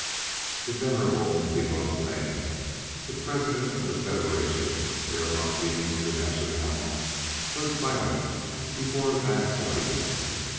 That venerable and beloved man, the President of the Federation Aeronautique Internationale, stood silent before a vast audience.